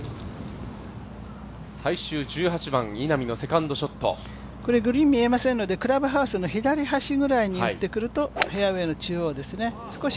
最終１８番、稲見のセカンドショットグリーン見えませんのでクラブハウスの左端ぐらいに打ってくるとフェアウエーの中央ですね。